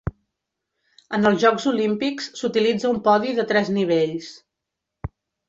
En els Jocs Olímpics s'utilitza un podi de tres nivells.